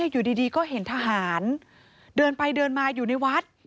อยู่ดีก็เห็นทหารเดินไปเดินมาอยู่ในวัด